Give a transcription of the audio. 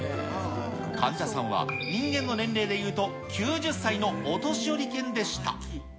患者さんは人間の年齢で言うと９０歳のお年寄り犬でした。